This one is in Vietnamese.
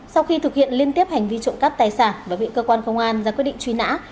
sau khi thực hiện liên tiếp hành vi trộm cắp tài sản và bị cơ quan công an ra quyết định truy nã